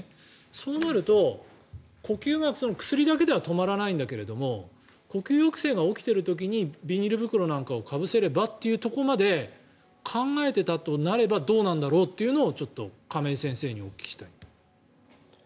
そうなると、呼吸が薬だけでは止まらないんだけれど呼吸抑制が起きている時にビニール袋なんかをかぶせればというところまで考えていたとなればどうなんだろうというのを亀井先生にお聞きしたいです。